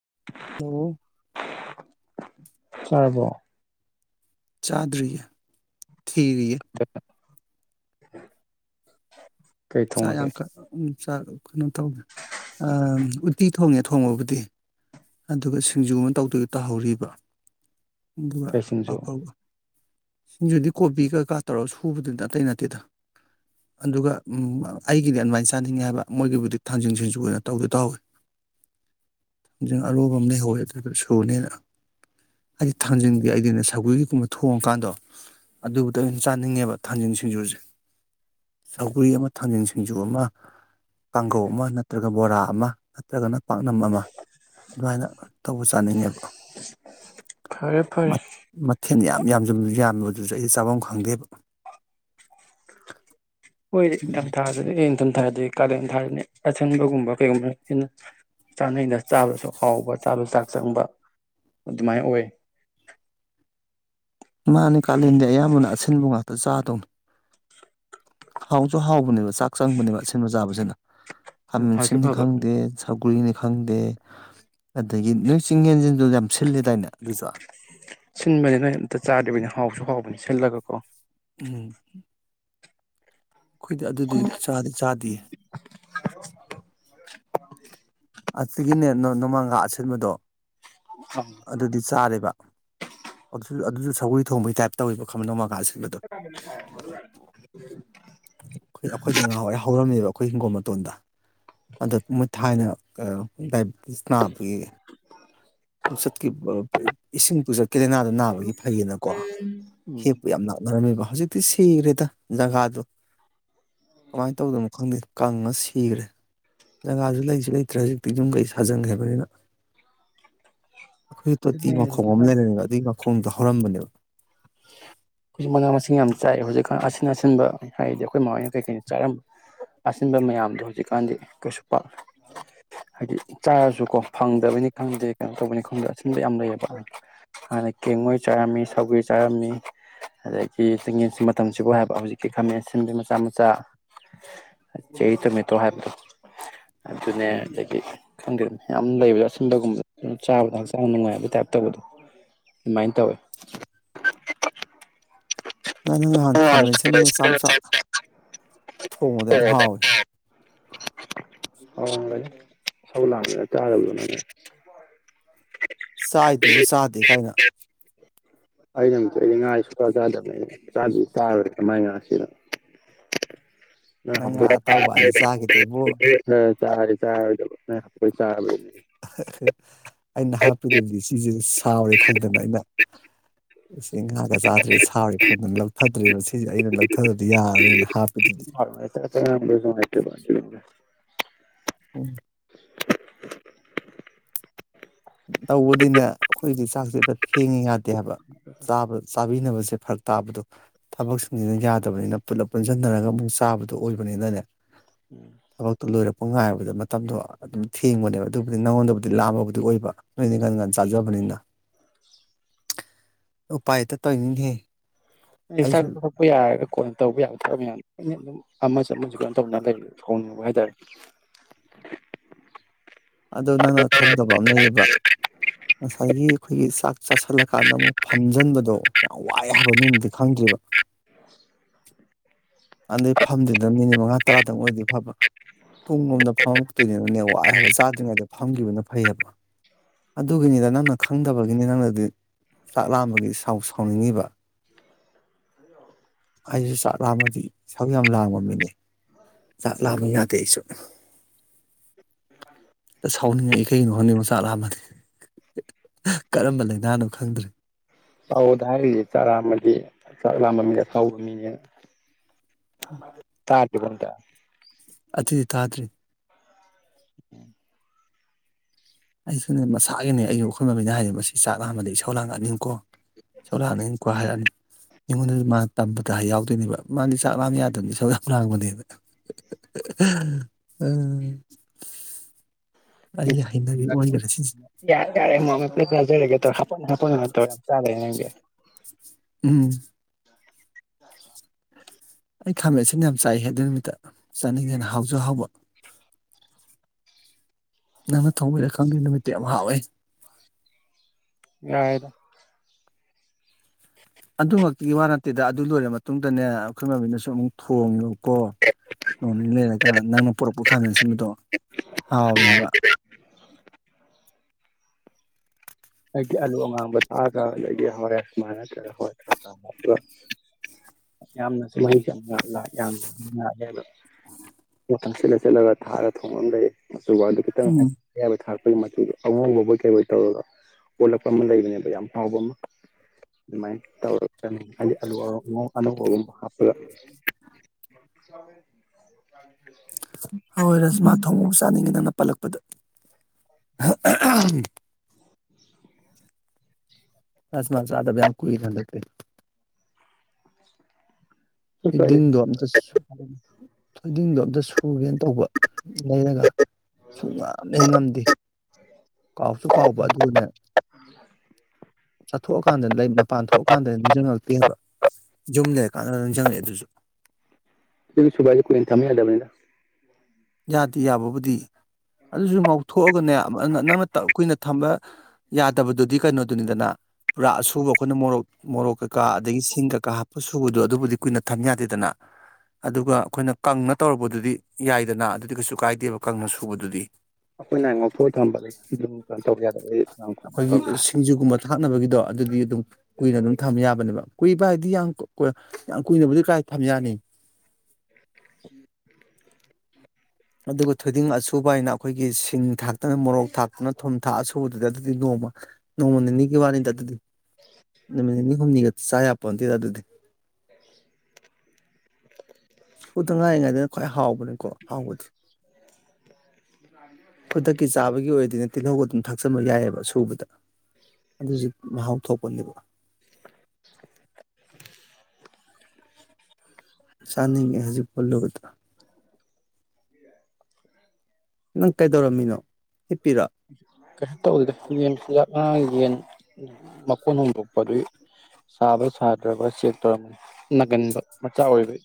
[unintelligible] ꯇꯥꯔꯕꯣ ꯆꯥꯗꯔꯤ ꯊꯤꯔꯤꯌꯦ [unintelligible] ꯆꯥꯏ ꯑꯪꯀ ꯎꯝ ꯆꯥꯛ ꯀꯩꯅꯣ ꯇꯧꯒꯦ ꯑꯥ ꯎꯠꯇꯤ ꯊꯣꯡꯉꯦ ꯊꯣꯡꯕꯕꯨꯗꯤ ꯑꯗꯨꯒ ꯁꯤꯡꯖꯨ ꯑꯃ ꯇꯧꯗꯣꯏꯒ ꯇꯍꯧꯔꯤꯕ ꯑꯗꯨꯒ ꯀꯩ ꯁꯤꯡꯖꯨ ꯑꯐꯕ ꯁꯤꯡꯖꯨꯗꯤ ꯀꯣꯕꯤ ꯀꯀꯥ ꯇꯧꯔꯒ ꯁꯨꯕꯗꯨꯗꯤ ꯑꯇꯩ ꯅꯠꯇꯦꯗ ꯑꯗꯨꯒ ꯑꯩꯒꯤꯗꯤ ꯑꯗꯨꯃꯥꯏꯅ ꯆꯥꯅꯤꯡꯉꯦ ꯍꯥꯏꯕ ꯃꯣꯏꯒꯤꯕꯨꯗꯤ ꯊꯥꯡꯖꯤꯡꯁꯤꯡꯁꯨ ꯑꯣꯏꯅ ꯇꯧꯗꯩ ꯇꯧꯍꯧꯏ ꯊꯥꯡꯖꯤꯡ ꯑꯔꯣꯕ ꯑꯃ ꯂꯩꯍꯧꯋꯦ ꯑꯗꯨ ꯁꯨꯅꯦꯅ ꯍꯥꯏꯗꯤ ꯊꯥꯡꯖꯤꯡꯗꯤ ꯑꯩꯗꯤꯅ ꯁꯧꯒ꯭ꯔꯤ ꯒꯨꯝꯕ ꯊꯣꯡꯉꯀꯥꯟꯗꯣ ꯑꯗꯨꯕꯨꯗ ꯑꯣꯏꯅ ꯆꯥꯅꯤꯡꯉꯦꯕ ꯊꯥꯡꯖꯤꯟ ꯁꯤꯡꯖꯨꯁꯦ ꯁꯧꯒ꯭ꯔꯤ ꯑꯃ ꯊꯥꯡꯖꯤꯡꯁꯤ ꯖꯨ ꯑꯃ ꯀꯥꯡꯒꯧ ꯑꯃ ꯅꯠꯇ꯭ꯔꯒ ꯕꯣꯔꯥ ꯑꯃ ꯅꯠꯇꯒꯅ ꯄꯥꯛꯅꯝ ꯑꯃ ꯑꯗꯨꯃꯥꯏꯅ ꯇꯧꯕ ꯆꯥꯅꯤꯡꯉꯦꯕ ꯐꯔꯦ ꯐꯔꯦ ꯃꯊꯦꯜ ꯌꯥꯝ ꯌꯥꯝꯖꯟꯕ ꯃꯗꯨꯁꯨ ꯑꯩꯗꯤ ꯆꯥꯐꯝ ꯈꯪꯗꯦꯕ ꯍꯣꯏ ꯅꯤꯡꯊꯝ ꯎꯝ ꯊꯥꯗꯗꯤ ꯏ ꯅꯤꯡꯊꯝ ꯊꯥ ꯑꯗꯩ ꯀꯥꯂꯦꯟ ꯊꯥꯗꯅꯤ ꯑꯁꯤꯟꯕꯒꯨꯝꯕ ꯀꯩꯒꯨꯝꯕ ꯍꯦꯟꯅ ꯆꯥꯅꯩꯅ ꯆꯥꯕꯁꯨ ꯍꯥꯎꯕ ꯆꯥꯕꯁꯨ ꯆꯥꯛ ꯆꯪꯕ ꯑꯗꯨꯃꯥꯏꯅ ꯑꯣꯏ ꯃꯥꯅꯦ ꯀꯥꯂꯦꯟꯗꯤ ꯑꯌꯥꯝꯕꯅ ꯑꯁꯤꯟꯕ ꯉꯥꯛꯇ ꯆꯥꯗꯨꯝ ꯍꯥꯎꯁꯨ ꯍꯥꯎꯕꯅꯦꯕ ꯆꯥꯛ ꯆꯪꯕꯅꯦꯕ ꯑꯁꯤꯟꯕ ꯆꯥꯕꯁꯤꯅ ꯐꯁꯨ ꯈꯃꯦꯟꯁꯤꯟꯅꯤ ꯐꯕ ꯈꯪꯗꯦ ꯁꯧꯒ꯭ꯔꯤꯅꯤ ꯈꯪꯗꯦ ꯑꯗꯒꯤ ꯅꯣꯏ ꯆꯤꯡ ꯌꯦꯟꯁꯤꯟꯗꯨ ꯌꯥꯝ ꯁꯤꯜꯂꯦ ꯗꯥꯢꯅꯦ ꯑꯗꯨꯁꯨ ꯁꯤꯟꯕꯅꯤꯅ ꯑꯝꯇ ꯆꯥꯗꯔꯤꯕꯅꯤ ꯍꯥꯎꯁꯨ ꯍꯥꯎꯕꯅꯤ ꯁꯤꯜꯂꯒ ꯀꯣ ꯎꯝ ꯑꯈꯣꯏꯗꯤ ꯑꯗꯨꯗꯤ ꯆꯥꯗꯤ ꯆꯥꯗꯤꯌꯦ ꯑꯗꯨꯗꯒꯤꯅꯦ ꯅꯣꯡꯃꯥꯡꯒꯥ ꯑꯁꯤꯟꯕꯗꯣ ꯑꯗꯨꯗꯤ ꯆꯥꯔꯦꯕ ꯑꯗꯨꯁꯨ ꯑꯗꯨꯁꯨ ꯁꯧꯒ꯭ꯔꯤ ꯊꯣꯡꯕꯒꯤ ꯇꯥꯏ꯭ꯞ ꯇꯧꯋꯦꯕ ꯈꯪꯕ ꯅꯣꯡꯃꯥꯡꯒꯥ ꯑꯁꯤꯟꯕꯗꯣ [unintelligible] ꯑꯈꯣꯏꯗ ꯉꯥꯍꯥꯎꯋꯥꯢ ꯍꯧꯔꯝꯃꯦꯕ ꯑꯈꯣꯏ ꯍꯤꯡꯒꯣꯜ ꯃꯇꯣꯟꯗ ꯑꯗ ꯃꯣꯏ ꯊꯥꯏꯅ ꯗꯥꯏꯕꯤꯇꯤꯁ ꯅꯥꯕ ꯒꯤ ꯄꯨꯆꯠꯀꯤ ꯏꯁꯤꯡ ꯄꯨ ꯆꯠꯀꯤ ꯂꯩꯅꯥꯗꯣ ꯅꯥꯕꯒꯤ ꯐꯩꯌꯦꯅꯕꯀꯣ ꯎꯝ ꯍꯦꯛꯄ ꯌꯥꯝ ꯂꯥꯛꯅꯔꯝꯃꯦꯕ ꯍꯧꯖꯤꯛ ꯁꯤꯈ꯭ꯔꯦꯗ ꯖꯒꯥꯗꯣ ꯀꯃꯥꯏꯅ ꯇꯧꯗꯅꯣ ꯈꯪꯗꯦ ꯀꯪꯉ ꯁꯤꯈ꯭ꯔꯦ ꯖꯒꯥꯁꯨ ꯂꯩꯁꯨ ꯂꯩꯇ꯭ꯔꯦ ꯍꯧꯖꯤꯛꯇꯤ ꯌꯨꯝ ꯀꯩ ꯁꯥꯖꯟꯈ꯭ꯔꯥꯕꯅꯤꯅ ꯑꯈꯣꯏ ꯇꯣꯇꯤ ꯑꯗꯨꯅꯦ ꯃꯈꯣꯡ ꯑꯃ ꯍꯧꯖꯤꯛꯀꯥꯟ ꯂꯩꯔꯝꯃꯦꯕ ꯑꯗꯨꯒꯤ ꯃꯈꯣ ꯈꯣꯡꯗ ꯍꯧꯔꯝꯕꯅꯦꯕ ꯑꯈꯣꯢꯖꯨ ꯃꯅꯥ ꯃꯁꯤꯡ ꯌꯥꯝ ꯆꯥꯏ ꯍꯧꯖꯤꯛꯀꯥꯟ ꯑꯁꯤꯟꯕ ꯍꯥꯏꯗꯤ ꯑꯩꯈꯣꯏ ꯃꯃꯣꯏꯅ ꯀꯩꯀꯩꯅ ꯆꯥꯔꯝꯕ ꯑꯁꯤꯟꯕ ꯃꯌꯥꯝꯗꯣ ꯍꯧꯖꯤꯛꯀꯥꯟꯗꯤ ꯀꯩꯁꯨ ꯄꯥꯛ ꯍꯥꯏꯗꯤ ꯆꯥꯔꯁꯨꯀꯣ ꯐꯪꯗꯕꯅꯤ ꯈꯪꯗꯦ ꯀꯩꯅꯣ ꯇꯧꯕꯅꯤ ꯈꯪꯗꯦ ꯑꯁꯤꯟꯕ ꯌꯥꯝ ꯂꯩꯌꯦꯕ ꯍꯥꯟꯅ ꯀꯦꯡꯉꯣꯏ ꯆꯥꯔꯝꯃꯤ ꯁꯧꯒ꯭ꯔꯤ ꯆꯥꯔꯝꯃꯤ ꯑꯗꯒꯤ ꯆꯤꯡꯌꯦꯟꯁꯤ ꯃꯇꯝꯁꯤꯕꯨ ꯍꯥꯏꯕ ꯍꯧꯖꯤꯛꯀꯤ ꯈꯥꯃꯦꯟ ꯑꯁꯤꯟꯕꯤ ꯃꯆꯥ ꯃꯆꯥ ꯆꯦꯔꯤ ꯇꯣꯃꯦꯇꯣ ꯍꯥꯏꯕꯗꯣ ꯑꯗꯨꯅꯦ ꯑꯗꯒꯤ ꯈꯪꯗꯦ ꯌꯥꯝ ꯂꯩꯕꯗꯣ ꯑꯁꯤꯟꯕꯒꯨꯝꯕꯗ ꯆꯥꯕꯗ ꯍꯛꯆꯥꯡ ꯅꯨꯡꯉꯥꯏꯕ ꯇꯥꯏꯞ ꯇꯧꯢ ꯑꯗꯨꯃꯥꯏꯅ ꯇꯧꯋꯦ ꯅꯪ ꯅꯪ ꯅꯍꯥꯟ ꯈꯥꯃꯦꯟ ꯑꯁꯤꯟꯕ ꯃꯆꯥ ꯃꯆꯥ ꯊꯣꯡꯕꯗꯣ ꯌꯥꯝ ꯍꯥꯎꯋꯦ ꯍꯥꯎꯔꯝꯒꯅꯤ ꯏꯁꯧ ꯂꯥꯡꯉꯤ ꯉꯩꯗ ꯆꯥꯗꯕꯗꯣ ꯆꯥꯏꯗꯨꯕꯨ ꯆꯥꯗꯦ ꯀꯥꯏꯅ ꯑꯩ ꯅꯨꯃꯤꯠꯇꯣ ꯑꯩꯗꯤ ꯉꯥ ꯁꯦ ꯁꯨꯡꯆꯥ ꯆꯥꯗꯕꯅꯤ ꯆꯥ ꯆꯥꯔꯣꯏꯗ ꯃꯥꯏ ꯉꯥꯁꯤꯗꯅ ꯅꯪ ꯉꯥ ꯑꯇꯥꯎꯕ ꯑꯅꯤ ꯆꯥꯈꯤꯗꯨꯕꯨ [unintelligible] ꯆꯥ ꯆꯥ ꯄꯣꯏ ꯆꯥ [inaudible] ꯑꯩꯅ ꯍꯥꯞꯄꯗꯗꯤ ꯁꯤꯁꯦ ꯁꯥꯎꯔꯦ ꯈꯪꯗꯅ ꯑꯩꯅ ꯃꯁꯤ ꯉꯥꯒ ꯆꯥꯗ꯭ꯔꯦ ꯁꯥꯎꯔꯦ ꯈꯪꯗꯅ ꯂꯧꯊꯗ꯭ꯔꯦ ꯑꯩꯁꯦ ꯑꯩꯅ ꯂꯧꯗꯔꯗꯤ ꯌꯥꯔꯣꯏꯅ ꯍꯥꯞꯄꯤꯗꯨꯗꯤ ꯑꯣ ꯎꯝ ꯆꯥꯡꯁꯤꯗ ꯍꯦꯡꯉꯤ ꯉꯥꯇꯦ ꯍꯥꯏꯕ ꯆꯥꯕꯤꯅꯕꯁꯦ ꯁꯦ ꯐꯔꯛ ꯇꯥꯕꯗꯣ ꯊꯕꯛꯁꯤꯡꯁꯤꯅ ꯌꯥꯗꯕꯅꯤꯅ ꯄꯨꯂꯞ ꯄꯨꯟꯁꯤꯟꯅꯔꯒ ꯑꯃꯨꯛ ꯆꯥꯕꯗꯣ ꯑꯣꯏꯕꯅꯤꯅꯅꯦ ꯎꯝ ꯊꯕꯛꯇꯣ ꯂꯣꯏꯔꯛ ꯄ ꯉꯥꯏꯕꯗ ꯃꯇꯝꯗꯣ ꯑꯗꯨꯝ ꯊꯦꯡꯕꯅꯦꯕ ꯑꯗꯨꯕꯨꯗꯤ ꯅꯉꯣꯟꯗꯕꯨꯗꯤ ꯂꯥꯝꯕꯕꯨꯗꯤ ꯑꯣꯏꯕ ꯅꯣꯏꯅꯤ ꯉꯟꯅ ꯉꯟꯅ ꯆꯥꯖꯕꯅꯤꯅ [inaudible] ꯎꯄꯥꯏ ꯂꯩꯇ ꯇꯧꯋꯤꯅꯤꯅꯦ ꯅꯤꯁꯥꯄ ꯌꯥ ꯀꯅ ꯇꯧꯕ ꯌꯥꯕ ꯊꯕꯛ ꯃꯌꯥꯝ ꯑꯗꯨꯝ ꯑꯃꯁꯨ ꯑꯃꯁꯨ ꯀꯩꯅꯣ ꯇꯧꯅ ꯂꯩ ꯁꯥꯎꯅꯤꯡꯕ ꯍꯥꯏꯇꯥꯔꯦ ꯑꯗꯣ ꯅꯪꯅ ꯈꯪꯗꯕ ꯑꯃ ꯂꯩꯌꯦꯕ ꯉꯁꯥꯏꯒꯤ ꯑꯩꯈꯣꯏꯒꯤ ꯆꯥꯛ ꯆꯥꯥꯁꯜꯂꯀꯥꯟꯗ ꯑꯃꯨꯛ ꯐꯝꯖꯟꯕꯗꯣ ꯌꯥꯝ ꯋꯥꯏꯌꯦ ꯍꯥꯏꯕ ꯅꯣꯏꯅꯗꯤ ꯈꯪꯗ꯭ꯔꯤꯕ ꯑꯗꯩ ꯐꯝꯗꯗꯅ ꯃꯤꯅꯤꯠ ꯃꯉꯥ ꯇꯔꯥꯗꯪ ꯑꯣꯏꯗꯤ ꯐꯕ ꯄꯨꯡꯂꯣꯝꯗ ꯐꯝꯃꯛꯇꯣꯏꯅꯤꯅꯅꯦ ꯋꯥꯏ ꯍꯥꯏꯕ ꯆꯥꯗ꯭ꯔꯤꯉꯩꯗ ꯐꯝꯈꯤꯕꯅ ꯐꯩꯑꯦꯕ ꯑꯗꯨꯒꯤꯅꯤꯗ ꯅꯪꯅ ꯈꯪꯗꯕꯒꯤꯅꯤ ꯅꯪꯅꯗꯤ ꯆꯥꯛ ꯂꯥꯝꯕꯒꯤ ꯁꯥꯎꯣꯣ ꯁꯥꯎꯅꯤꯡꯉꯤꯕ ꯑꯩꯁꯨ ꯆꯥꯛ ꯂꯥꯝꯃꯗꯤ ꯥꯏꯁꯧ ꯌꯥꯝ ꯂꯥꯡꯕ ꯃꯤꯅꯦ ꯆꯥꯛ ꯂꯥꯝꯕ ꯌꯥꯗꯦ ꯑꯩꯁꯨ ꯑ ꯁꯥꯎꯅꯤꯡꯉꯦ ꯑꯩꯈꯣꯏꯅ ꯍꯣꯡꯅꯤꯡꯉꯣ ꯆꯥꯛ ꯂꯥꯝꯕꯅꯤ ꯀꯔꯝꯕ ꯂꯥꯏꯅꯥꯅꯣ ꯈꯪꯗ꯭ꯔꯦ ꯊꯥꯎꯗ ꯍꯥꯏꯔꯤꯁ ꯆꯥꯛꯔꯥ ꯑꯃꯗꯤ ꯆꯔꯥ ꯃꯤꯡꯗ ꯊꯥꯎꯕ ꯃꯤꯉꯦ ꯎꯝ ꯇꯥꯔꯒꯦꯕꯟꯗ ꯑꯗꯨꯏ ꯇꯥꯗꯔꯤ ꯑꯩꯁꯨꯅꯦ ꯃꯁꯥꯒꯤꯅꯦ ꯑꯩꯒꯤ ꯎꯈꯣꯏꯕꯩꯅ ꯍꯥꯏꯔ ꯃꯁꯤ ꯆꯥꯛ ꯂꯥꯝꯕꯗꯩ ꯁꯧ ꯂꯥꯡꯒꯅꯤꯀꯣ ꯆꯂꯛꯑꯅꯤ ꯏ ꯀꯋꯥ ꯍꯥꯏꯑꯅꯤ ꯑꯩꯉꯣꯟꯗꯁꯨ ꯃꯥ ꯇꯝꯕꯗ ꯍꯥꯏ ꯌꯥꯎꯗꯣꯏꯅꯦꯕ ꯃꯥꯗꯤ ꯆꯥꯛꯂꯥꯝ ꯌꯥꯗꯕꯅꯤ ꯏꯁꯧ ꯌꯥꯝ ꯂꯥꯡꯕꯅꯦꯕ ꯎꯝ ꯌꯥꯔꯦꯔꯦꯒꯦ ꯍꯥꯄ ꯍꯥꯄ ꯆꯔꯦꯦ ꯎꯝ [inaudible] ꯑꯩ ꯈꯥꯃꯦꯟꯠꯁꯤꯅ ꯌꯥꯝ ꯆꯥꯏ ꯍꯥꯏ ꯑꯗꯨ ꯅꯨꯃꯤꯠꯇ ꯆꯥꯅꯤꯡꯉꯦꯅ ꯍꯥꯎꯁꯨ ꯍꯥꯎꯕ ꯅꯪꯅ ꯊꫭꯡꯕꯩꯔ ꯈꯪꯗꯦ ꯅꯨꯃꯤꯠꯇꫭ ꯍꯝ ꯍꯧꯋꯦ ꯌꯥꯔꯦꯗ ꯑꯗꯨꯉꯛꯇꯒꯤ ꯋꯥ ꯅꯠꯇꯦꯗ ꯑꯗꯨ ꯂꯣꯏꯔ ꯃꯇꯨꯡꯗꯅꯦ ꯑꯩꯈꯣꯏ ꯃꯃꯤꯅꯁꯨ ꯑꯃꯨꯛ ꯊꯣꯡꯉꯦ ꯀꯣ ꯅꯣꯡꯅꯤ ꯂꯩꯔꯀꯥꯟꯗ ꯅꯪꯅ ꯄꯨꯔꯛꯄ ꯈꯥꯃꯦꯟ ꯑꯁꯤꯟꯕꯗꯣ ꯍꯥꯎꯋꯦ ꯍꯥꯏꯕ ꯑꯗꯒꯤ ꯑꯂꯨ ꯑꯉꯥꯡꯕ ꯊꯥꯛꯑꯒ ꯑꯗꯒꯤ ꯍꯣꯔꯦꯟ ꯁꯨꯃꯥꯏꯅ ꯅꯠꯇ꯭ꯔꯒ ꯍ ꯊ ꯌꯥꯝꯅ ꯁꯨꯝꯍꯩ ꯌꯥꯝ ꯂꯥꯛꯑꯦ ꯑꯗ ꯋꯥ ꯁꯤꯠꯂ ꯆꯠꯂꯒ ꯊꯥꯔ ꯊꯣꯡꯉ ꯑꯃ ꯂꯩꯌꯦ ꯊꯧꯕꯥꯜꯗ ꯈꯤꯇꯪ ꯍꯥꯏ ꯎꯝ ꯑꯌꯥꯕ ꯊꯥꯔꯛ ꯑꯩꯈꫭꯏꯒꯤ ꯃꯆꯨꯗꯣ ꯑꯍꯣꯡꯕꯕꯨꯣꯏ ꯀꯩꯕꯥꯏ ꯇꯧꯔꯒ ꯑꯣꯜꯂꯛꯄ ꯑꯃ ꯂꯩꯕꯅꯦꯕ ꯌꯥꯝ ꯍꯥꯎꯕ ꯑꯃ ꯑꯗꯨꯃꯥꯏꯅ ꯇꯧꯔꯀꯅꯤ ꯍꯥꯏꯗꯤ ꯑꯂꯨ ꯑꯅꯧꯕ ꯒꯨꯝꯕ ꯍꯥꯞꯄꯒ ꯍꯥꯋꯥꯏ ꯔꯖꯃꯥ ꯊꯣꯡꯕꯕꯨ ꯆꯥꯅꯤꯡꯉꯤꯗ ꯄꯜꯂꯛꯄꯗ [inaudible] ꯔꯁꯃꯥ ꯆꯥꯗꯕ ꯌꯥꯝ ꯀꯨꯏꯔꯦ ꯍꯟꯗꯛꯇꯩ [inaudible] ꯊꫭꯏꯗꯤꯡꯗꫭ ꯑꯝꯇ ꯁꯨ ꯊꫭꯏꯗꯤꯡꯗꫭ ꯑꯝꯇꯥ ꯁꯨꯒꯦꯅ ꯇꯧꯕ ꯂꯩꯔꯒ ꯁꯨꯡꯉꯝ ꯍꯦꯛ ꯉꯝꯗꯦ ꯀꯥꯎꯁꯨ ꯀꯥꯎꯕ ꯑꯗꯨꯒꯅꯦ ꯆꯠꯊꯣꯛꯑꯀꯥꯟꯗ ꯂꯩ ꯃꯄꯥꯟ ꯊꯣꯛꯑꯀꯥꯟꯗ ꯅꯤꯡꯁꯤꯡꯉꯛꯇꯦꯕ ꯌꯨꯝ ꯂꯩꯔꯀꯥꯟꯗꯗ ꯅꯤꯡꯖꯪ ꯉꯛꯑꯦ ꯑꯗꯨꯖꯨ ꯊꫭꯏꯗꯤꯡ ꯁꯨꯒꯥꯏꯕꯖꯦ‌ꯀꯨꯏꯅ ꯊꯝꯌꯥꯗꯕꯅꯤꯗ ꯌꯥꯗꯦ ꯌꯥꯕꯕꯨꯗꯤ ꯑꯗꯨꯁꯨ ꯉꯧꯊꯣꯛꯑꯒꯅꯦ ꯅꯪꯅ ꯀꯨꯏꯅ ꯊꯝꯕ ꯌꯥꯗꯕꯗꯨꯗꯤ ꯀꯩꯅꯣꯗꯨꯅꯤꯗꯅ ꯄꯨꯔꯥ ꯑꯁꯨꯕ ꯑꯩꯈꯣꯏꯅ ꯃꯣꯔꯣꯛ ꯃꯣꯔꯣꯛ ꯀꯩꯀꯥ ꯑꯗꯒꯤ ꯁꯤꯡ ꯀꯩꯀꯥ ꯍꯥꯞꯄ ꯁꯨꯕꯗꯣ ꯑꯗꯨꯕꯨꯗꯤ ꯀꯨꯏꯅ ꯊꯝ ꯌꯥꯗꯦꯗꯅ ꯑꯗꯨꯒ ꯑꯩꯈꯣꯏꯅ ꯀꯪꯅ ꯇꯧꯔꯨꯔꯕꯗꯨꯗꯤ ꯌꯥꯏ ꯗꯅ ꯑꯗꯨꯗꯤ ꯀꯩꯁꯨ ꯀꯥꯏꯗꯦꯕ ꯀꯪꯅ ꯁꯨꯕꯗꯨꯗꯤ ꯑꯩꯈꯣꯏꯅ ꯉꯥꯛꯊꯣꯏ ꯊꯝꯕ ꯂꯩ ꯑꯗꯨꯝ ꯀꯩꯅꯣ ꯇꯧ ꯌꯥꯗꯕꯦ ꯑꯩ ꯀꯨꯏꯅ ꯇꯧ ꯑꯩꯈꯣꯏꯒꯤ ꯁꯤꯡꯖꯨꯒꯨꯝꯕ ꯊꯥꯛꯅꯕꯒꯤꯗꯣ ꯑꯗꯨꯗꯤ ꯑꯗꯨꯝ ꯀꯨꯏꯅ ꯑꯗꯨꯝ ꯊꯝ ꯌꯥꯕꯅꯦꯕ ꯀꯨꯏꯕ ꯍꯥꯏꯗꯤ ꯌꯥꯝ ꯌꯥꯝ ꯀꯨꯏꯅꯕꯕꯨꯗꯤ ꯀꯥꯏ ꯊꯝ ꯌꯥꯅꯤ [inaudible] ꯑꯗꯨꯒ ꯊꯣꯏꯗꯤꯡ ꯑꯁꯨꯕ ꯍꯥꯏꯅ ꯑꯩꯈꯣꯏꯒꯤ ꯁꯤꯡ ꯊꯥꯛꯇꯅ ꯃꯣꯔꯣꯛ ꯊꯥꯛꯇꯅ ꯊꯨꯝ ꯊꯥꯛ ꯑꯁꯨꯨꯕꯗꯨꯗꯤ ꯑꯗꯨꯗꯤ ꯅꯣꯡꯃ ꯅꯣꯡꯃꯅꯤꯒꯤ ꯋꯥꯅꯤꯗ ꯑꯗꯨꯗꯤ ꯅꯃꯤꯠ ꯅꯤꯅꯤ ꯍꯨꯝꯅꯤꯒ ꯆꯥꯏ ꯄꫭꯟꯇꯦꯗ ꯑꯗꯨꯗꯤ [inaudible] ꯁꯨꯗ ꯉꯥꯏꯔꯤꯉꯩꯗꯅ ꯈ꯭ꯋꯥꯏ ꯍꯥꯎꯕꯅꯤꯀꯣ ꯍꯥꯎꯕꯗꯤ ꯈꯨꯗꯛꯀꯤ ꯆꯥꯕꯒꯤ ꯑꯣꯏꯔꯗꯤ ꯇꯤꯜꯍꯧꯒ ꯊꯛꯆꯟꯕ ꯌꯥꯏꯌꯦꯕ ꯁꯨꯕꯗ ꯑꯗꯨꯖꯨ ꯃꯥꯍꯥꯎ ꯊꯣꯛ ꯄꯅꯦꯕ ꯆꯥꯅꯤꯡꯉꯦ ꯍꯧꯖꯤꯛ ꯄꯜꯂꯨꯕꯗ ꯅꯪ ꯀꯩꯗꯧꯔꯝꯃꯤꯅꯣ ꯍꯤꯞꯄꯤꯔꯣ ꯀꯩꯩꯅ ꯇꯧꯕꯗꯗ ꯌꯦꯖ ꯌꯦꯟ ꯃꯀꯣꯟ ꯍꯣꯡꯗꯣꯛꯄꯗꯨ ꯁꯥꯕ ꯁꯥꯗ꯭ꯔꯕ ꯆꯦꯛ ꯇꯧꯔꯝ ꯅꯥꯒꯟꯕ ꯃꯆꯥ ꯑꯣꯏꯕꯩ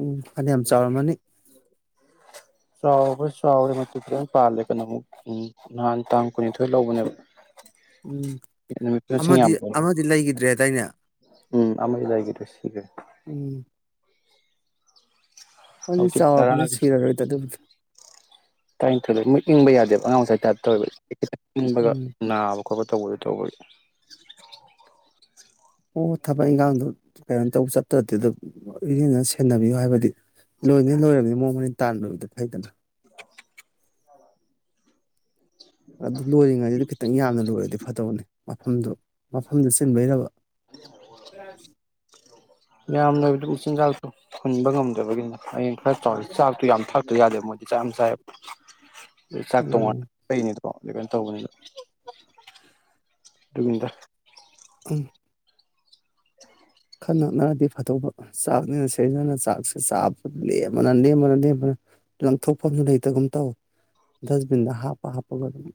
ꯎꯝ ꯐꯅ ꯌꯥꯝ ꯆꯥꯎꯔꯝꯃꯅꯤ ꯆꯥꯎꯕ ꯆꯥꯎꯔꯦ ꯃꯨꯗꯤ ꯂꯣꯏ ꯄꯥꯜꯂꯦ ꯀꯩꯅꯣꯃꯨꯛ ꯎ ꯅꯍꯥꯟ ꯇꯥꯡ ꯀꯨꯟꯅꯤꯊꯣꯏ ꯂꯧꯕꯅꯦꯕ ꯎꯝ ꯅꯨꯃꯤꯠꯇꯨ ꯁꯤꯡ ꯑꯃꯗꯤ ꯌꯥꯝ ꯄꯣꯛꯑꯦ ꯑꯃꯗꯤ ꯂꯩꯈꯤꯗ꯭ꯔꯦꯗꯥꯏꯅꯦ ꯎꯝ ꯑꯃꯥ ꯂꯩꯒꯤꯗꯔ꯭ꯦ ꯎꯝ ꯍꯧꯖꯤꯛ ꯇꯔ ꯆꯥꯎꯔꯕꯅꯤꯅ ꯁꯤꯔꯔꯣꯏꯗ ꯑꯗꯨꯕꯨꯗꯤ ꯇꯔꯥꯅꯤꯊꯣꯏ ꯃꯨꯠ ꯏꯪꯕ ꯌꯥꯗꯦꯕ ꯑꯉꯥꯡ ꯎꯝ [unintelligible] [unintelligible] ꯈꯣꯠꯄ ꯇꯧꯕꯗꯤ ꯇꯧꯕꯗꯤ ꯑꯣ ꯊꯕꯛ ꯏꯪꯈꯥꯡꯗꯣ ꯀꯩꯅꯣ ꯇꯧꯕ ꯆꯠꯇ꯭ꯔꯗꯤ ꯑꯗꯨ ꯏꯅ ꯁꯦꯟꯅꯕꯤꯌꯨ ꯍꯥꯏꯕꯗꯤ ꯂꯣꯏꯅꯦ ꯂꯣꯏꯔꯕꯅꯤ ꯃꯑꯣꯡ ꯃꯔꯤꯟ ꯇꯥꯟꯕꯗꯨꯗꯤ ꯐꯩꯗꯅ ꯑꯗꯨ ꯂꯣꯏꯔꯤꯉꯩꯁꯤꯗ ꯈꯤꯇꯪ ꯌꯥꯝꯅ ꯂꯣꯏꯔꯗꯤ ꯐꯠꯇꯕꯅꯦ ꯃꯐꯝꯗꯨ ꯃꯐꯝꯗꯨ ꯆꯤꯟꯕꯩꯔꯕ ꯑꯁ ꯌꯥꯝꯅꯕꯗꯨ ꯃꯆꯤꯟꯖꯥꯛꯇ ꯍꯨꯟꯕ ꯉꯝꯗꯕꯒꯤꯅ [unintelligible] ꯊꯛꯇ ꯌꯥꯗꯦꯕ ꯃꯣꯏꯗꯤ ꯆꯥꯏꯕ ꯆꯥꯛ ꯎꯝ ꯇꯣꯡꯉꯥꯟꯅ ꯂꯩꯅꯤꯗꯣ ꯃꯥꯏꯅ ꯇꯧꯕꯅꯤꯗ ꯑꯗꯨꯒꯤꯇ ꯎꯝ ꯈꯟ ꯅꯛꯅꯔꯗꯤ ꯐꯠꯇꯣꯛꯕ ꯆꯥꯛꯅꯤꯅ ꯁꯤꯖꯅ ꯆꯥꯛꯁꯦ ꯆꯥꯕ ꯂꯦꯝꯕꯅ ꯂꯦꯝꯕꯅ ꯂꯦꯝꯕꯅ ꯂꯪꯊꯣꯛꯐꯝ ꯂꯩꯇꯒꯨꯝ ꯇꯧꯋ ꯗꯁꯕꯤꯟꯗ ꯍꯥꯞꯄ ꯍꯥꯞꯄꯒ ꯑꯗꯨꯝ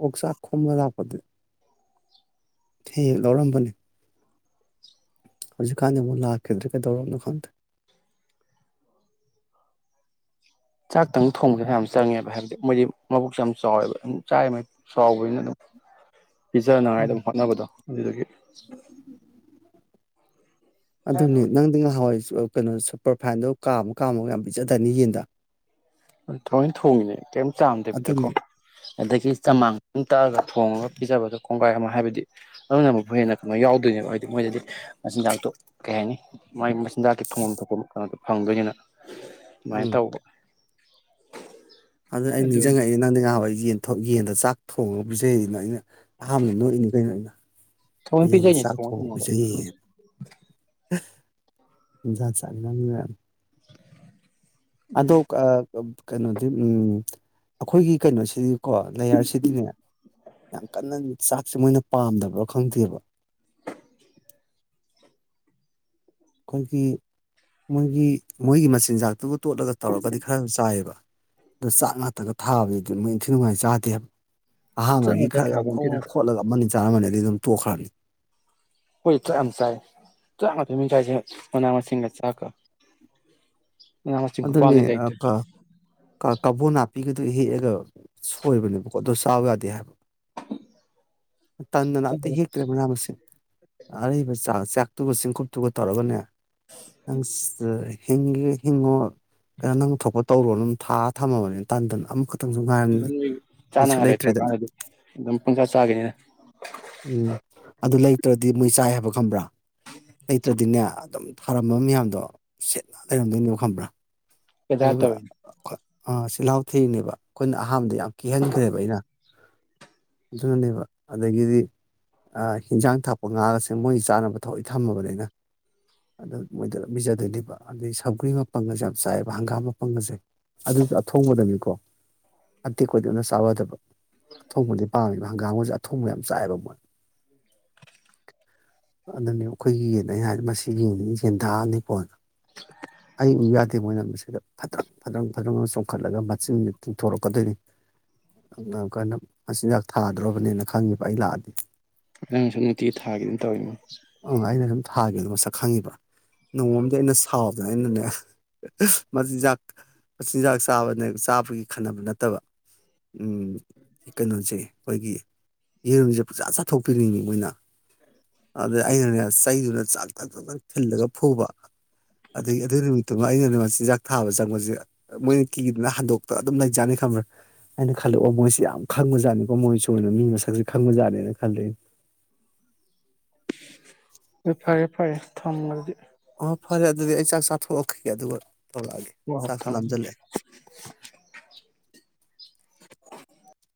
ꯑꯣꯛꯁꯥ ꯈꯝꯕ ꯂꯄꯗ ꯍꯦꯛ ꯂꯧꯔꯝꯕꯅꯤ ꯍꯧꯖꯤꯛꯀꯥꯟꯗꯤ ꯑꯃꯨꯛ ꯂꯥꯛꯈꯤꯗ꯭ꯔꯤ ꯀꯩꯗꯧꯔꯝꯅꯣ ꯈꯪꯗꯦ ꯆꯥꯛꯇꯪ ꯊꯣꯡꯕꯁꯤꯅ ꯌꯥꯝ ꯆꯪꯉꯦꯕ ꯍꯥꯏꯕꯗꯤ ꯃꯣꯏꯗꯤ ꯃꯕꯨꯛꯁꯨ ꯌꯥꯝ ꯆꯥꯎꯋꯦꯕ ꯑꯗꯨ ꯆꯥꯛ ꯆꯥꯎꯕꯅꯤꯅ ꯑꯗꯨꯝ ꯄꯤꯖꯅꯉꯥꯏ ꯎꯝ ꯑꯗꯨꯝ ꯍꯣꯠꯅꯕꯗꯣ ꯑꯗꯨꯗꯒꯤ ꯑꯗꯨꯅꯦ ꯅꯪꯗꯤ ꯅꯥꯍꯟꯅꯥꯏ ꯀꯩꯅꯣ ꯁꯨꯄꯔꯐꯥꯏꯟꯗꯣ ꯀꯥꯝꯨ ꯀꯥꯝꯃꯨ ꯌꯥꯝ ꯄꯤꯖꯗꯅꯤ ꯌꯦꯟꯗ ꯊꯥꯑꯣꯏꯅ ꯊꯣꯡꯉꯤꯅꯦ ꯀꯩꯝ ꯆꯥꯝꯗꯕꯤꯗꯀꯣ ꯑꯗꯨꯅꯤ ꯑꯗꯒꯤ ꯎꯝ ꯆꯃꯥꯡ ꯑꯃ ꯇꯛꯑꯒ ꯊꯣꯡꯉꯒ ꯄꯤꯖꯕꯗꯣ ꯀꯣꯡꯒꯥꯏ ꯑꯃ ꯍꯥꯏꯕꯗꯤ ꯑꯗꯨꯅꯃꯛꯄꯨ ꯍꯦꯟꯅ ꯀꯩꯅꯣ ꯌꯥꯎꯗꯣꯏꯅꯦꯕ ꯍꯥꯏꯗꯤ ꯃꯣꯏꯗꯗꯤ ꯃꯆꯤꯟꯖꯥꯛꯇꯣ ꯀꯩ ꯍꯥꯏꯅꯤ ꯃꯥꯏ [unintelligible] ꯐꯪꯗꯣꯏꯅꯤꯅ ꯑꯗꯨꯃꯥꯏꯅ ꯇꯧꯕ ꯑꯗꯨ ꯑꯩ ꯑꯗꯨꯅꯤ ꯅꯤꯡꯁꯤꯡꯉꯛꯏꯦ ꯅꯪꯗꯤ ꯉꯍꯕ ꯑꯩ ꯌꯦꯊꯣꯛ ꯌꯦꯟꯗ ꯆꯥꯛ ꯊꯣꯡꯉꯒ ꯄꯤꯖꯩ ꯑꯩꯅ ꯑꯩꯅ ꯑꯍꯥꯟꯕꯗ ꯅꯣꯛꯏꯅꯤ ꯀꯩꯅꯣ ꯑꯩꯅ ꯊꯑꯣꯏꯅ ꯌꯦꯗꯤ ꯄꯤꯖꯩꯅꯦ ꯊꯣꯡꯉ ꯁꯥꯊꯕ ꯊꯣꯡꯉꯒ ꯆ ꯌꯥ ꯆ ꯑꯗꯣ ꯀꯩꯅꯣꯗꯤ ꯎ ꯑꯩꯈꯣꯏꯒꯤ ꯀꯩꯅꯣꯁꯤꯗꯤ ꯀꯣ ꯂꯩꯌꯥꯔꯁꯤꯗꯤꯅꯦ ꯌꯥꯝ ꯀꯟꯅꯅꯤ ꯆꯥꯛꯁꯦ ꯃꯣꯏꯅ ꯄꯥꯝꯗꯕ꯭ꯔꯥ ꯈꯪꯗꯦꯕ ꯑꯩꯈꯣꯏꯒꯤ ꯃꯣꯏꯒꯤ ꯃꯣꯏꯒꯤ ꯃꯆꯤꯟꯖꯥꯛꯇꯨꯒ ꯇꯣꯠꯂꯒ ꯇꯧꯔꯒꯗꯤ ꯈꯔ ꯆꯥꯏꯑꯕ ꯑꯗꯨ ꯆꯥꯛ ꯉꯥꯛꯇꯒ ꯊꯥꯕꯅꯤ ꯑꯗꯨ ꯃꯣꯏ ꯏꯊꯤ ꯅꯨꯡꯉꯥꯏ ꯆꯥꯗꯦꯕ ꯑꯍꯥꯡꯉꯒꯤ ꯆꯥꯛꯉꯥꯛꯇ ꯈꯔ ꯈꯔ ꯊꯥꯕ ꯈꯣꯡ ꯅꯠꯇꯦꯗ ꯈꯣꯠꯂꯒ ꯑꯃꯅꯤ ꯆꯥꯃꯅꯦꯗꯤ ꯑꯗꯨꯝ ꯇꯣꯛꯈ꯭ꯔꯅꯤ ꯍꯣꯏ ꯇ ꯑ ꯆ ꯇ ꯊ ꯃꯤ ꯌꯥ ꯃꯅꯥ ꯑꯃ ꯁꯤꯁꯤꯡ ꯆꯀ ꯑꯗꯨ ꯑꯗꯨꯅꯤ ꯑ ꯀꯥ ꯀ ꯀꯕꯣ ꯅꯥꯄꯤꯒꯗꯨ ꯍꯦꯛꯑꯒ ꯁꯣꯏꯕ ꯀ ꯑꯗꯨ ꯇꯥꯎꯒꯗ ꯍꯥꯏꯕ ꯇꯗꯅ ꯑꯝꯇ ꯍꯦꯛꯇ꯭ꯔꯦ ꯃꯅꯥ ꯃꯁꯤꯡꯁꯦ ꯑꯔꯩꯕ ꯆꯥꯛꯁꯦ ꯆꯥꯛꯇꯨꯒ ꯆꯤꯡꯀꯨꯞꯇꯨꯒ ꯇꯧꯔꯒꯅꯦ ꯍꯪꯁ ꯍꯤꯡ ꯍꯤꯡꯉꯣ ꯀꯩꯅ ꯅꯪ ꯊꯣꯛꯄ ꯇꯧꯔꯣ ꯅꯝ ꯊꯥ ꯊꯝꯃꯕꯅꯤꯅ ꯇꯟꯇꯟ ꯑꯃꯛꯈ ꯑꯗꯨ ꯆꯒꯔꯥꯏꯠꯇ ꯀꯗꯤ ꯑꯗꯨꯝꯄꯨꯟ ꯆ ꯆꯅꯤ ꯎꯝ ꯑꯗꯨ ꯂꯩꯇ꯭ꯔꯗꯤ ꯃꯣꯏ ꯆꯥꯏ ꯍꯥꯏꯕ ꯈꯪꯕ꯭ꯔꯥ ꯂꯩꯇ꯭ꯔꯗꯤꯅꯦ ꯑꯗꯨꯝ ꯊꯥꯔꯝꯕ ꯃꯌꯥꯝꯗꯣ ꯁꯦꯠꯅ ꯂꯩꯔꯝꯗꯣꯏꯅꯦꯕ ꯈꯪꯕ꯭ꯔꯥ ꯕꯦꯖꯥꯔ ꯑꯗꯨꯒ ꯇꯧꯔꯤꯅꯤ ꯑ ꯆꯤꯜꯍꯥꯎ ꯊꯦꯡꯅꯦꯕ ꯑꯩꯈꯣꯏꯅ ꯑꯍꯥꯥꯟꯕꯗ ꯌꯥꯝ ꯀꯤꯍꯟꯈ꯭ꯔꯦꯕ ꯑꯩꯅ ꯑꯗꯨꯅꯅꯦꯕ ꯑꯗꯒꯤꯗꯤ ꯍꯤꯟꯖꯥꯡ ꯊꯥꯛꯄ ꯉꯥꯒꯁꯦ ꯃꯣꯏ ꯆꯥꯅꯕ ꯊꯑꯣꯏ ꯊꯝꯃꯕꯅꯤꯅ ꯑꯗꯨ ꯃꯣꯏꯗ ꯄꯤꯖꯗꯣꯏꯅꯦꯕ ꯑꯗꯨꯩ ꯁꯝꯒ꯭ꯔꯤ ꯃꯄꯪꯒꯁꯦ ꯌꯥꯝ ꯆꯥꯏꯑꯕ ꯍꯪꯒꯥꯝ ꯃꯄꯪꯒꯁꯦ ꯑꯗꯨꯁꯨ ꯑꯊꯣꯡꯕꯗꯅꯤꯀꯣ ꯐꯇꯦꯛ ꯀꯣꯏꯗꯣꯛꯅ ꯆꯥꯔꯗꯕ ꯑꯊꯣꯡꯕꯗꯤ ꯄꯥꯝꯃꯤꯕ ꯍꯪꯒꯥꯝ ꯑꯃꯁꯁꯦ ꯑꯊꯣꯡꯕ ꯌꯥꯝ ꯆꯥꯏꯑꯕ ꯃꯣꯏꯅ ꯑꯗꯨꯅꯦ ꯑꯩꯈꯣꯏꯒꯤꯅ ꯍꯥꯏꯗꯤ ꯃꯁꯤ ꯌꯦꯡꯅꯤꯡꯉꯤꯁꯤ ꯁꯦꯟꯊꯥꯛꯑꯅꯤꯀꯣꯅ ꯑꯩꯕꯨꯨꯛ ꯌꯥꯗꯦ ꯃꯣꯏꯅ ꯃꯁꯤꯗ ꯐꯗ꯭ꯔꯪ ꯐꯗ꯭ꯔꯪ ꯐꯗ꯭ꯔꯪ ꯆꯣꯡꯈꯠꯂꯒ ꯃꯆꯤꯟꯁꯤ ꯇꯤꯡꯊꯣꯔꯛꯀꯗꯣꯏꯅꯤ ꯀꯅ ꯃꯆꯤꯟꯖꯥꯛ ꯊꯥꯗ꯭ꯔꯕꯅꯦꯅ ꯈꯪꯉꯦꯕ ꯑꯩ ꯂꯥꯛꯑꯗꯤ ꯅꯪꯁꯨ ꯅꯨꯡꯇꯤꯒꯤ ꯊꯥꯒꯤ ꯑꯗꯨꯝ ꯇꯧꯋꯅꯣ ꯊꯥꯒꯦꯅꯣ ꯃꯁꯛ ꯈꯪꯉꯤꯕ ꯅꯣꯡꯃꯝꯗꯤ ꯑꯩꯅ ꯁꯥꯎꯗꯅ ꯑꯩꯅꯅꯦ ꯃꯆꯤꯟꯖꯥꯛ ꯃꯆꯤꯟꯖꯥꯛ ꯆꯥꯕ ꯆꯥꯕꯒꯤ ꯈꯟꯅꯕ ꯅꯠꯇꯕ ꯀꯩꯅꯣꯁꯦ ꯑꯩꯈꯣꯏꯒꯤ ꯌꯦꯔꯨꯝꯁꯦ ꯄꯨꯖꯥ ꯆꯥꯊꯣꯛꯄꯤꯅꯤꯡꯉꯤ ꯃꯣꯏꯅ ꯑꯗꯩ ꯑꯩꯅꯅꯦ ꯆꯩꯗꯨꯅ ꯆꯥꯛ ꯊꯛꯛ ꯊꯤꯜꯂꯒ ꯐꯨꯕ ꯑꯗꯒꯤ ꯑꯗꯨꯒꯤ ꯅꯨꯃꯤꯠꯇꯨꯃ ꯑꯩꯅꯅꯦ ꯃꯆꯤꯟꯖꯥꯛ ꯊꯥꯕ ꯆꯪꯕꯁꯦ ꯃꯣꯏꯅ ꯀꯤꯗꯨꯅ ꯍꯟꯗꯣꯛꯇ ꯑꯗꯨꯝ ꯂꯩꯖꯥꯅꯤ ꯈꯪꯕ꯭ꯔꯥ ꯍꯥꯏꯅ ꯈꯜꯂꯛꯑꯣ ꯃꯣꯏꯁꯤ ꯌꯥꯝ ꯈꯪꯕꯖꯥꯠꯅꯤ ꯃꯣꯏꯁꯨꯅ ꯃꯤ ꯃꯁꯛꯁꯦ ꯈꯪꯕꯖꯥꯠꯅꯦꯅ ꯈꯜꯂꯤꯦ ꯐꯔꯌꯦ ꯐꯌꯦ ꯊꯝꯗꯤ ꯑꯣ ꯐꯔꯦ ꯑꯗꯨꯗꯤ ꯑꯩ ꯆꯥꯛ ꯆꯊꯣꯛꯈ ꯑꯗꯨ ꯇꯧꯔꯛꯑꯒꯦ ꯍꯣꯏ ꯍꯣꯏ ꯆꯥꯛ ꯊꯝꯃꯦ ꯂꯖꯜꯂꯦ